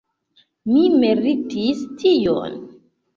Mi meritis tion!